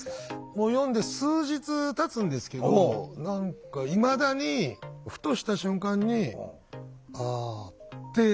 もう読んで数日たつんですけど何かいまだにふとした瞬間に「ああ」ってなってしまう。